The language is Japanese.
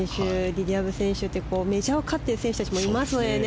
リリア・ブ選手というメジャーを勝っている選手たちもいますのでね。